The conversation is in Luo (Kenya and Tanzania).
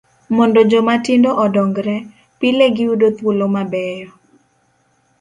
Mondo joma tindo odongre, pile giyudo thuolo mabeyo.